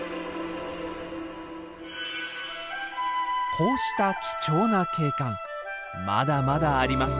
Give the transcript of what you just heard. こうした貴重な景観まだまだあります。